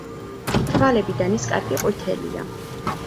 თვალები და ნისკარტი ყვითელია.